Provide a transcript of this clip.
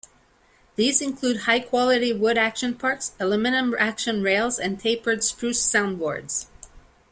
These include high quality wood action parts, aluminum action rails, and tapered spruce soundboards.